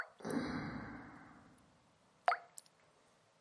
Ahí se encuentra a Rick, un espadachín que trabaja en la panadería del pueblo.